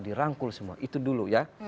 dirangkul semua itu dulu ya